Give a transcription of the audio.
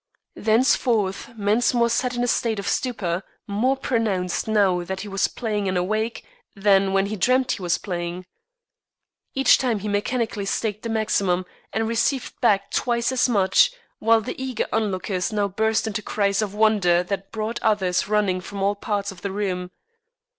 Thenceforth Mensmore sat in a state of stupor more pronounced now that he was playing and awake than when he dreamt he was playing. Each time he mechanically staked the maximum and received back twice as much, while the eager onlookers now burst into cries of wonder that brought others running from all parts of the room.